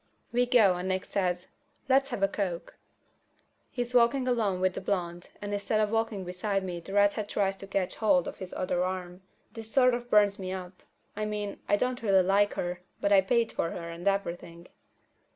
We go out and Nick says, "Let's have a coke." He's walking along with the blonde, and instead of walking beside me the redhead tries to catch hold of his other arm. This sort of burns me up. I mean, I don't really like her, but I paid for her and everything.